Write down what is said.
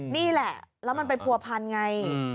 นี่แหละแล้วมันเป็นผัวพันธุ์ไง